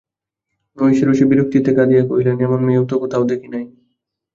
মহিষী রোষে বিরক্তিতে কাঁদিয়া কহিলেন, এমন মেয়েও তো কোথাও দেখি নাই।